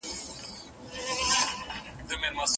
شيدې يې نورو دې څيښلي او اوبه پاتې دي